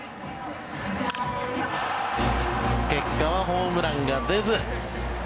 結果はホームランが出ず。